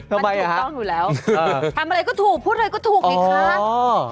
ทำไมครับทำอะไรก็ถูกพูดอะไรก็ถูกอีกครับ